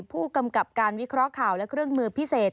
ผู้กำกับการวิเคราะห์ข่าวและเครื่องมือพิเศษ